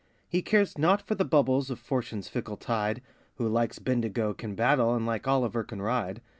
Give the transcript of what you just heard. He cares not for the bubbles of Fortune's fickle tide, Who like Bendigo can battle, and like Olliver can ride.